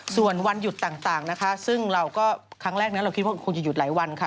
ส่วนวันหยุดต่างนะคะซึ่งเราก็ครั้งแรกนั้นเราคิดว่าคงจะหยุดหลายวันค่ะ